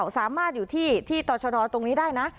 สามารถอยู่ที่ต่อชนตรงนี้ได้นะ